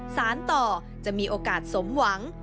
สารต่อจะมีโอกาสสมหวัง